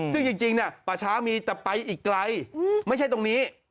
ซึ่งจริงป่าช้ามีแต่ไปอีกไกลไม่ใช่ตรงนี้